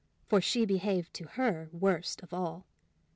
For she behaved to her worst of all.